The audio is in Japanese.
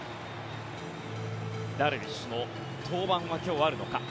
ダルビッシュの登板は今日あるのか。